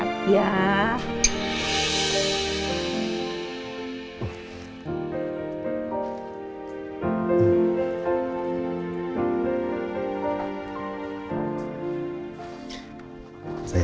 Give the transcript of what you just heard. biar sehat ya